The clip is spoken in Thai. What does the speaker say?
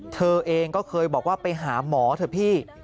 เธอเองก็เคยบอกว่าไปหาหมอเถอะพี่